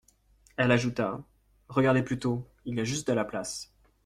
Elle ajouta : Regardez plutôt, il y a juste de la place.